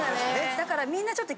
だからみんなちょっと。